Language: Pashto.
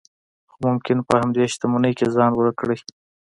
خو ممکن په همدې شتمنۍ کې ځان ورک کړئ.